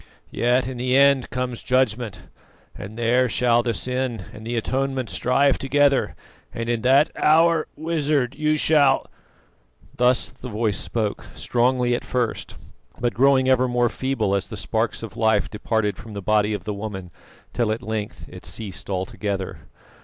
Yet in the end comes judgment; and there shall the sin and the atonement strive together, and in that hour, Wizard, you shall " Thus the voice spoke, strongly at first, but growing ever more feeble as the sparks of life departed from the body of the woman, till at length it ceased altogether.